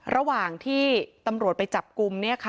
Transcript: ระหว่างที่ตำรวจไปจับกลุ่ม